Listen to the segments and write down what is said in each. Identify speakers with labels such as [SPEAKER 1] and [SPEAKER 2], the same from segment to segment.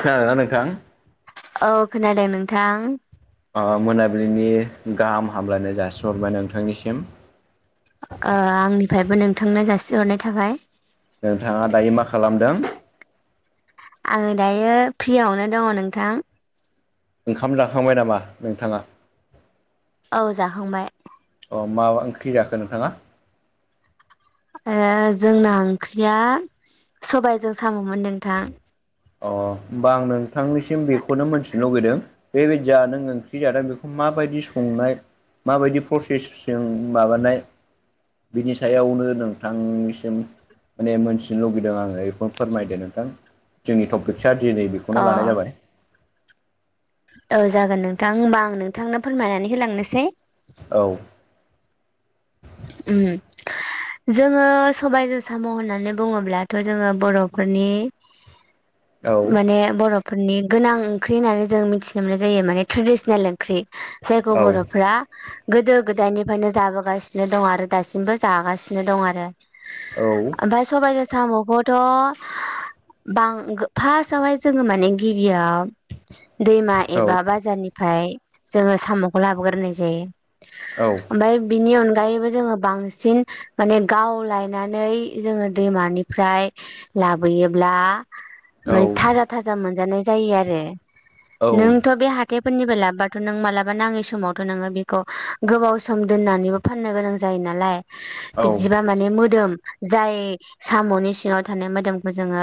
[SPEAKER 1] खोनादों ना नोंथां?
[SPEAKER 2] औ खोनादों नोंथां।
[SPEAKER 1] आ मोनाबिलिनि गाहाम हामलायनाय जासिहरबाय नोंथांनिसिम।
[SPEAKER 2] आ आंनिफायबो नोंथांनो जासिहरनाय थाबाय।
[SPEAKER 1] नोंथाङा दायो मा खालामदों?
[SPEAKER 2] आङो दायो फ्रियावनो दङ नोंथां।
[SPEAKER 1] ओंखाम जाखांबाय नामा नोंथाङा?
[SPEAKER 2] औ जाखांबाय।
[SPEAKER 1] अ' माबा ओंख्रि जाखो नोंथाङा?
[SPEAKER 2] ओ जोंना ओंख्रिया सबायजों साम'मोन नोंथां।
[SPEAKER 1] अ' होमबा आं नोंथांनिसिम बेखौनो मोनथि लुगैदों बेबायदिया नों ओंख्रि जादों बेखौ मा बायदि संनाय माबायदि प्रसेसजों माबानाय बिनि सायावनो नोंथांनिसिम माने मोनथिनो लुगैदों आङो बेखौनो फोरमायदो नोंथां। जोंनि टपिकसा दिनै
[SPEAKER 2] अ
[SPEAKER 1] बेखौनो लानाय जाबाय।
[SPEAKER 2] औ जागोन नोंथां। ओमबा आं नोंथांनो फोरमायनानै होलांनोसै।
[SPEAKER 1] औ
[SPEAKER 2] उम जोङो सबायजों साम' होननानै बुङोब्लाथ' जोङो बर'फोरनि
[SPEAKER 1] [inaudible]
[SPEAKER 2] माने बर'फ फोरनि गोनां ओंख्रि होननानै जों मिनथिनो मोननाय जायो। माने ट्रेडिसनेल ओंख्रि। जायखौ
[SPEAKER 1] औ
[SPEAKER 2] बर'फ्रा गोदो गोदायनिफायनो जाबोगास सिनो दङ आरो दासिमबो जागासिनो दं आरो।
[SPEAKER 1] औ
[SPEAKER 2] ओमफाय सबायजों साम'खौथ' बां गो फासावहाय जोङो माने गिबियाव दैमा
[SPEAKER 1] औ
[SPEAKER 2] एबा बाजारनिफाय जोङो साम'खौ लाबोग्रोनाय जायो।
[SPEAKER 1] औ
[SPEAKER 2] माय बिनि अन गायैबो जोङो बांसिन माने गावलायनानै जोङो दैमानिफ्राय लाबोयोब्ला माने थाजा थाजा मोनजानाय जायो आरो। नोंथ' बे हाथ थायफोरनिफाय लाबोबाथ' नों मालाबा नाङै समावथ' नोङो बेखौ गोबाव सम दोननानैबो फाननो गोनां जायो नालाय बिदिबा माने मोदोम जाय साम'नि सिङाव थानाय मोदोमखौ जोङो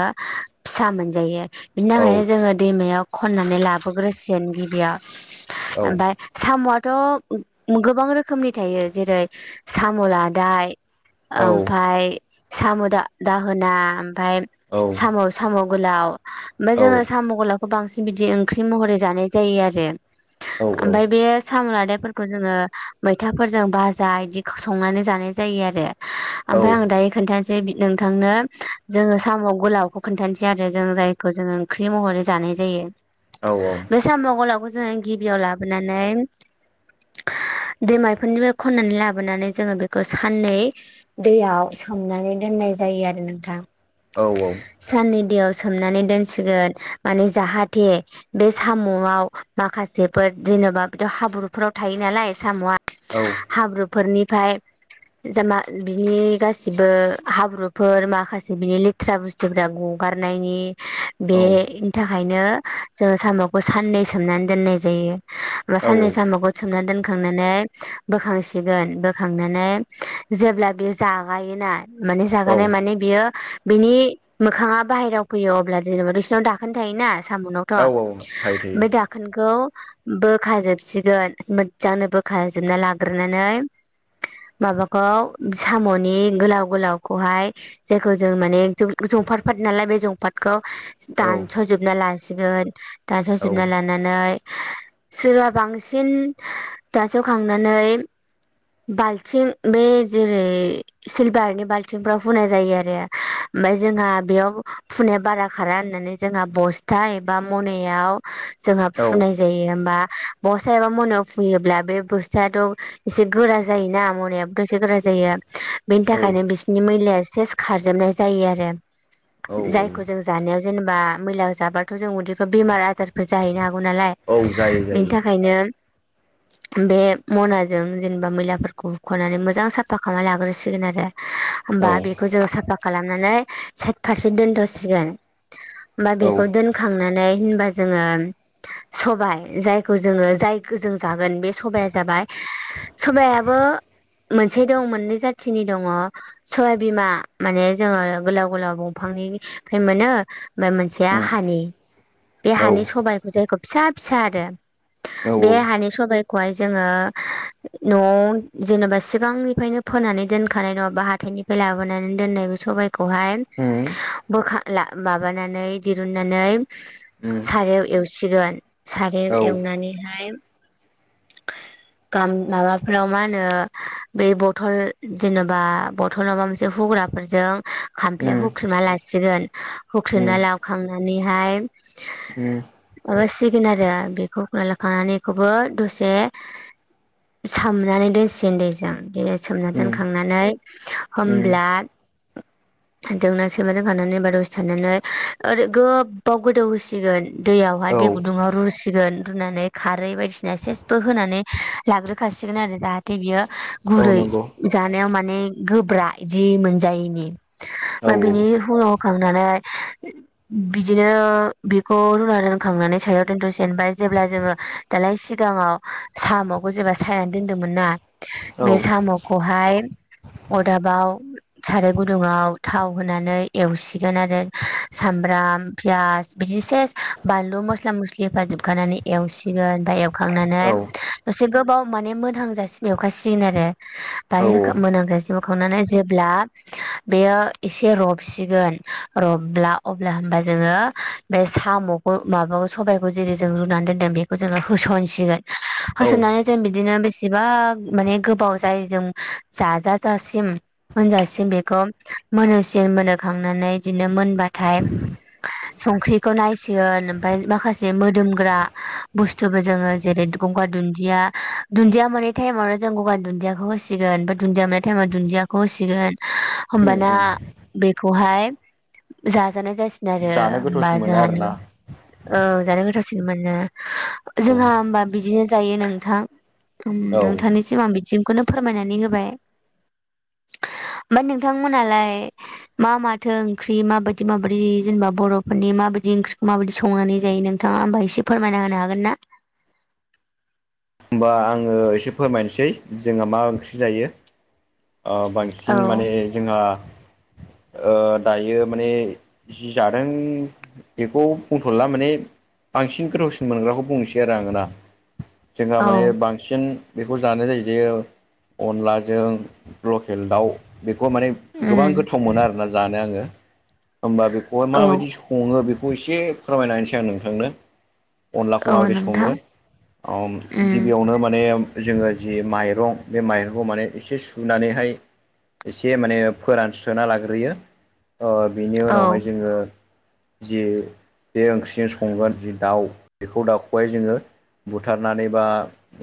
[SPEAKER 2] फिसा मोनजायो। बिनि थाखायनो जोंङो दैमायाव खननानै लाबोग्रोसिगोन गिबियाव ओमफाय साम'आथ' गोबां रोखोमनि थायो जेरै साम' लादाय ओमफाय साम' दा-दाहोना ओमफाय साम' साम' गोलाव ओमफाय जोङो साम' गोलावखौ बांसिन बिदि ओंख्रि महरै जानाय जायो आरो ओमफाय बे साम' लादाय फोरखौ जोंङो मैथाफोर जों बाजा बिदि संनानै जानाय जायो आरो ओमफ्राय आं दायो खोन्थानोसै नोंथांनो जोंङो साम' गोलावखौ खोन्थानोसै आरो जों जायखौ जोंङो ओंख्रि महरै जानाय जायो।
[SPEAKER 1] औ औ
[SPEAKER 2] बे साम' गोलावखौ जोंङो गिबियाव लाबोनानै दैमा बेफोरनिफ्राय खन्नानै लाबोनानै जोंङो बेखौ साननै दैयाव सोमनानै दोननाय जायो आरो नोंथां
[SPEAKER 1] औ औ
[SPEAKER 2] साननै दैयाव सोमनानै दोनसिगोन माने जाहाथे बे साम'आव माखासेफोर जेन'बा बिदि हाब्रुफोराव थायो नालाय साम'आ
[SPEAKER 1] औ
[SPEAKER 2] हाब्रुफोरनिफ्राय जा मा बिनि गासिबो हाब्रुफोर माखासे बिनि लेथ्रा बुस्तु फ्रा गगारनायनि बेनि थाखायनो जोंङो साम'खौ साननै सोमनानै दोननाय जायो। बा साननै साम'खौ सोमना दोनखांनानै बोखांसिगोन बोखांनानै जेब्ला बे जागायोना माने जागानाय माने बियो बिनि मोखांङा बाहेराव फैयो अब्ला जेनेबा बिसोरनाव दाखोन थायोना साम'नाव इमफाय दाखोनखौ बोखा जोबसिगोन मोजांनो बोखा जोबना लाग्रोनानै माबाखौ साम'नि गोलाव गोलाव खौहाय जायखौ जों माने जंफु जंफाट फाट नालाय बे जंफाटखौ दानस'जोबना लासिगोन दानस'जोबना लाना नै सोरबा बांसिन सु खांनानै बाल्थिं बे जेरै - सिलभारनि बाल्थिंफ्राव हुनाय जायो आरो ओमफाय जोंहा बेयाव हुनाया बारा खारा होननानै जोंहा बस्था एबा मनायाव जोंहा
[SPEAKER 1] औ औ
[SPEAKER 2] फुनाय जायो होमबा बसा एबा मायाव फुयोब्ला बे बुस्थुआथ' एसे गोरा जायोना मनायाबोथ' एसे गोरा जायो बेनि
[SPEAKER 1] थायो औ
[SPEAKER 2] थाखायनो बिसो नि मैलाया सेस खारजोबनाय जायो आरो
[SPEAKER 1] औ
[SPEAKER 2] जायखौ जों जानायाव जेनेबा मैला जाबाथ' जों उदैफ्रा बेमार आजार फोर जाहैनो हागौ नालाय
[SPEAKER 1] औ जायो जायो
[SPEAKER 2] बेनि थाखायनो बे मनाजों जेनेबा मैलाफोरखौ हुख'नानै मोजां साफा खालामना लाग्रोसिगोन आरो
[SPEAKER 1] औ
[SPEAKER 2] होमबा बेखौ जोङो साफा खालामनानै सायेत फारसे दोनथ' सिगोन बा
[SPEAKER 1] औ
[SPEAKER 2] बेखौ दोन खांनानै होनबा जोंङो सबाय जायखो जोंङो जाय गोजों जागोन सबाया जाबाय सबायाबो मोनसे दं मोननै जाथिनि दङ'। सबायाइबिमा माने जोंङो गोलाव गोलाव दंफांनिफ्राय मोनो ओमफाय मोन सेया हानि बे
[SPEAKER 1] औ
[SPEAKER 2] हानि सबाइखौ जायखौ फिसा फिसा आरो बे हानि सबायखौहाय जोंङो। न'आव जेनेबा सिगांनिफ्रायनो फोनानै दोनखानाय नंङाबा हाथाइनिफाय लाबोनानै दोननायबो सबाय खौहाय बोखा माबानानै दिरुननानै सारायाव एवसिगोन सारायाव एवनानैहाय गाम माबाफोराव मा होनो बे बथल जेनेबा बथल माबा मोनसे हुग्रा फोरजों खामफ्लायाव हुख्रमना लासिगोन हुख्रमना लाखांनानैहाय
[SPEAKER 1] उम
[SPEAKER 2] माबासिगोन आरो बेखौ खना लाखनानै इखौबो दसे सोमनानै दोनसिगोन दैजों दैजों सोमना दोनखांनानै होमब्ला जोंना सैमानो होखानानै [unintelligible] दसे थानानै ओरै गोबाव गोदौ होसिगोन।
[SPEAKER 1] औ
[SPEAKER 2] दैयावहाय दै गुदुंङाव रुसिगोन रुनानै खारै बायदिसिना सेस बो होनानै लाग्रोखासिगोन आरो जाहाथे बियो
[SPEAKER 1] औ
[SPEAKER 2] गुरै
[SPEAKER 1] नंगौ
[SPEAKER 2] जानायाव माने गोब्रा इदि मोनजायैनि
[SPEAKER 1] औ
[SPEAKER 2] ओमफ्राय बिनि उनाव खांनानै बिदिनो बेखौ रुना दोनखांनानै सायाव दन्थ' सेनबाय जेब्ला जोङो दालाय सिगाङाव साम'खौ जेब्ला सायनानै दोनदोंमोन ना
[SPEAKER 1] औ
[SPEAKER 2] बे साम'खौहाय अदाबाव साराय गुदुङाव थाव होनानै एवसिगोन आरो सामब्राम पियास बिदि सेस बानलु मस्ला मस्लि होखाजोबखानानै एवसिगोन आमफाय
[SPEAKER 1] औ
[SPEAKER 2] एवखांनानै दसे गोबाव माने मोनोहांजासि एवखासिगोन आरो बाय मोनांखायसे बोखांनानै जेब्ला बेयो एसे रबसिगोन रबब्ला अब्ला होमब्ला जोङो बे साम' माबाखौ सबाइखौ जेरै जों रुनानै दोनदों बेखौ जोङो होस'नसिगोन
[SPEAKER 1] औ उम
[SPEAKER 2] होसननानै जों बिदिनो बेसेबा माने गोबाव जायो जों जाजा जासिम मोनजासिम बेखौ मोनहोसिम मोनहोखांनानै बिदिनो मोनबाथाय संख्रिखौ नायसिगोन ओमफाय माखासे मोदोमग्रा बुस्थुबो जोङो जेरै गंगार दुन्दिया दुन्दिया मोननाय टाइमावनो जों गंगार दुन्दियाखौ होसिगोन बा दुन्दिया मोननाय टाइमाव दुन्दिया खौ होसिगोन। होमबाना
[SPEAKER 1] उम
[SPEAKER 2] बेखौहाय जाजानाय जासिगोन आरो
[SPEAKER 1] जानो
[SPEAKER 2] होमबा
[SPEAKER 1] गोथावसिन मोनो
[SPEAKER 2] जोंहानो
[SPEAKER 1] आरोना
[SPEAKER 2] औ जानो गोथावसिन मोनो।
[SPEAKER 1] औ
[SPEAKER 2] जोंहा हबा बिदिनो जायो नोंथां उम
[SPEAKER 1] औ
[SPEAKER 2] नोंथांनिसिम बिथिंखौनो फोरमायनानै होबाय ओमफाय नोंथांमोनालाय मा माथो ओंख्रि, माबायदि माबायदि जेनेबा बर'फोरनि माबायदि ओंख्रिखौ माबायदि संनानै जायो नों नोंथाङा होमबा एसे फोरमायना होनो हागोन ना?
[SPEAKER 1] होमबा आङो एसे फोरमायनोसै जोंहा मा ओंख्रि जायो। ओ बां
[SPEAKER 2] औ
[SPEAKER 1] बांसिन माने जोंहा ओ दायो माने जि जादों बेखौ बुंथ'ला माने, बांसिन गोथावसिन मोनग्राखौ बुंनोसै आरो आङोना जोंहा
[SPEAKER 2] औ
[SPEAKER 1] माने बांसिन बेखौ जानाय जायो जे अनलाजों लकेल दाउ बेखौ माने गोबां
[SPEAKER 2] उम
[SPEAKER 1] गोथाव मोनो आरोना जानो आङो होमबा बेखौहाय
[SPEAKER 2] औ
[SPEAKER 1] माबायदि सङो बेखौ एसे फोरमायनाहोनोसै आं नोंथांनो। अनलाखौ
[SPEAKER 2] औ
[SPEAKER 1] माबायदि
[SPEAKER 2] नोंथां
[SPEAKER 1] सङो ओम
[SPEAKER 2] उम
[SPEAKER 1] गिबियावनो माने जोङो जि माइरं बे माइरंखौ माने एसे सुनानैहाय एसे माने फोरानस्रोना लाग्रोयो, ओ बेनि
[SPEAKER 2] औ
[SPEAKER 1] उनावहाय जोङो जि बे ओंख्रिजों संगोन जि दाउ बेखौ दावखौ'हाय जोङो बुथारनानै बा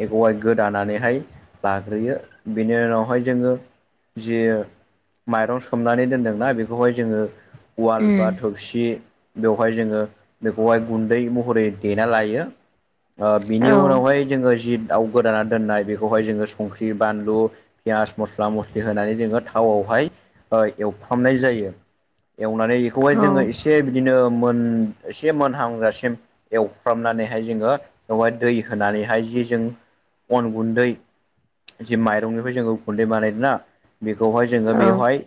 [SPEAKER 1] एखौहाय गोदानानैहाय लाग्रोयो बेनि उनावहाय जोङो जि माइरं सोमनानै दोनदोंना बेखौहाय जोङो उवाल
[SPEAKER 2] उम
[SPEAKER 1] बा थौसि बेवहाय जोङो बेखौहाय गुन्दै महरै देना लायो ओ बिनि
[SPEAKER 2] औ
[SPEAKER 1] उनावहाय जोङो जि दाउ गोदाना दोननाय बेखौहाय जोङो संख्रि बानलु पियास मस्ला मस्लि होनानै जोङो थावआवहाय एवफ्रामनाय जायो एवनानै इखौहाय
[SPEAKER 2] औ
[SPEAKER 1] जोङो एसे से बिदिनो मोन एसे मोनहांजासिम एवफ्रामनानैहाय जोङो बेवहाय दै होनानैहाय जि जों अन गुन्दै जि माइरंनिफ्राय जोङो गन्दै बानायदोंना बेखौहाय जोङो
[SPEAKER 2] औ
[SPEAKER 1] बेवहाय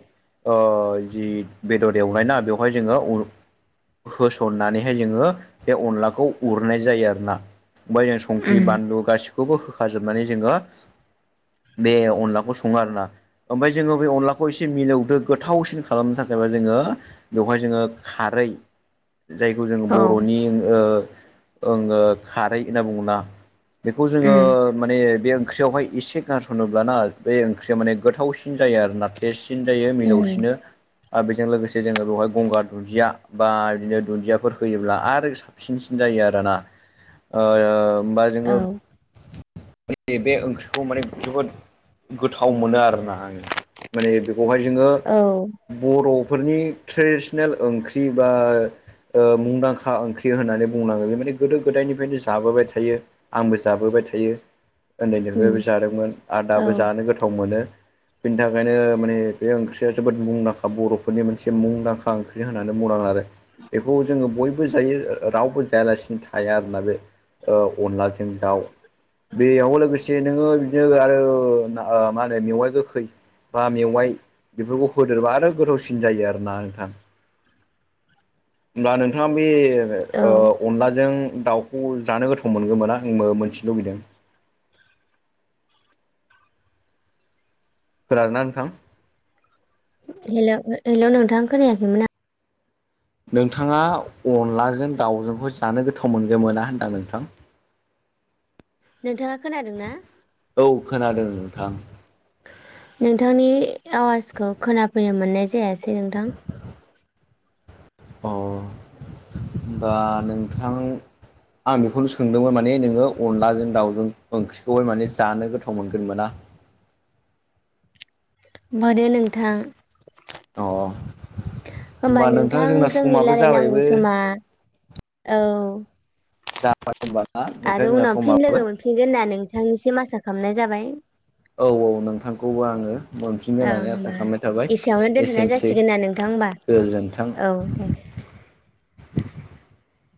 [SPEAKER 1] ओ जि बेदर एवनायना बेवहाय जोङो होसननानैहाय जोङो बे अनलाखौ उरनाय जायो आरो ना। ओमफाय जों संख्रि
[SPEAKER 2] उम
[SPEAKER 1] बानलु गासिखौबो होखाजोबनानै जोङो बे अनलाखौ सङो आरोना। ओमफाय जोङो बे अनलाखौ एसे मिलौदो गोथावसिन खालामनो थाखायबा जोङो बेवहाय जोङो खारै जायखौ जोङो
[SPEAKER 2] औ
[SPEAKER 1] बर'नि ओ ओंङो खारै होनना बुङोना। बेखौ जोङो
[SPEAKER 2] उम
[SPEAKER 1] माने बे ओंख्रियावहाय एसे गारस'नोब्लाना बे ओंख्रिया माने गोथावसिन जायो आरो ना। देरसिन जायो
[SPEAKER 2] उम
[SPEAKER 1] मिलौसिनो। आ बेजों लोगोसे जोङो बेवहाय गंगार दुन्दिया बा इदिनो दुन्दियाफोर होयोब्ला आरो फिनसिनसिन जायो आरोना। ओ होमबा जोङो
[SPEAKER 2] औ
[SPEAKER 1] बे ओंख्रिखौ माने जोबोद गोथाव मोनो आरोना आङो माने बेखौहाय जोङो
[SPEAKER 2] औ
[SPEAKER 1] बर'फोरनि ट्रेडिसनेल ओंख्रि बा ओ मुंदांखा ओंख्रि होननानै बुंनांगोन बे माने गोदो गोदायनिफ्रायनो जाबोबाय थायो आंबो जाबोबाय थायो। उन्दैनिफ्रायबो
[SPEAKER 2] उम
[SPEAKER 1] जादोंमोन आरो
[SPEAKER 2] औ
[SPEAKER 1] दाबो जानो गोथाव मोनो। बेनि थाखायनो माने बे ओंख्रिया जोबोद मुंदांखा बर'फोरनि मोनसे मुंदांखा ओंख्रि होननानै बुंनांगोन आरो। बेखौ जोङो बयबो जायो रावबो जायालासिनो थाया आरोना बे ओ अनलाजों दाउ बेयाव लोगोसे से नोङो बिदिनो आरो ना ओ मा होनो मेवाइ गोखै बा मेवाइ बेफोरखौ होदेरबा आरो गोथावसिन जायो आरोना नोंथां। होमबा नोंथाङा बे
[SPEAKER 2] औ
[SPEAKER 1] ओ अनलाजों दाउखौ जानो गोथाव मोनगौ मोना आंबो मोनथिनो लुगैदों। फोर आरोना नोंथां।
[SPEAKER 2] हेल' हेल' नोंथां खोनायाखैमोन आं।
[SPEAKER 1] नोंथाङा अनलाजों दाउजोंखौ जानो गोथाव मोनगोन मोना होनदां नोंथां?
[SPEAKER 2] नोंथाङा खोनादों ना?
[SPEAKER 1] औ खोनादों नोंथां।
[SPEAKER 2] नोंथांनि आवाजखौ खोनाफैनो मोननाय जायासै नोंथां।
[SPEAKER 1] अ होमबा नोंथां आं बेखौनो सोंदोंमोन माने नोङो अनलाजों दाउजों ओंख्रिखौहाय माने जानो गोथाव मोनगोन मोना?
[SPEAKER 2] मोनो लोंथां।
[SPEAKER 1] अ
[SPEAKER 2] होमबा नोंथां
[SPEAKER 1] जोंना
[SPEAKER 2] जोंनि
[SPEAKER 1] समाबो
[SPEAKER 2] लारायनांगौ
[SPEAKER 1] जाबायबो
[SPEAKER 2] समा औ
[SPEAKER 1] जाबाय होनबा ना नोंथां जोंना समाबो।
[SPEAKER 2] फिनगोन होनना नोंथांनिसिम आसा खामनाय जाबाय।
[SPEAKER 1] औ औ नोंथांखौबो आङो मोनफिनगोन
[SPEAKER 2] ओं
[SPEAKER 1] होननानै आसा
[SPEAKER 2] होमबा
[SPEAKER 1] खामनाय थाबाय
[SPEAKER 2] एसेयावनो दोनथ'नाय
[SPEAKER 1] एसेनोसै
[SPEAKER 2] जासिगोन ना नोंथां होमबा
[SPEAKER 1] गोजोनथों।
[SPEAKER 2] औ दे